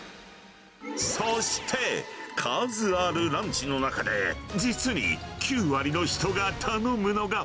そして、数あるランチの中で実に９割の人が頼むのが。